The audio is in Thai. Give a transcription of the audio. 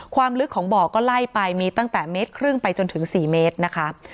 ความลึกของบ่อก็ไล่ไปมีตั้งแต่เมตรครึ่งไปจนถึง๔เมตรนะคะ